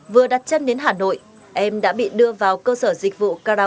vừa đặt chân đến hà nội em đã bị đưa vào cơ sở dịch vụ karaok